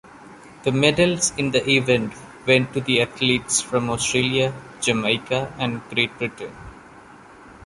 The medals in the event went to athletes from Australia, Jamaica, and Great Britain.